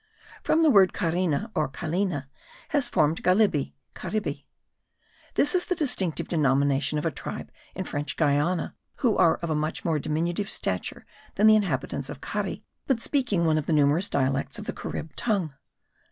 From the word Carina, or Calina, has been formed Galibi (Caribi). This is the distinctive denomination of a tribe in French Guiana,* who are of much more diminutive stature than the inhabitants of Cari, but speaking one of the numerous dialects of the Carib tongue.